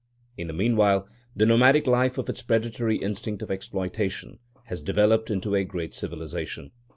In the meanwhile, the nomadic life with its predatory instinct of exploitation has developed into a great civilisation.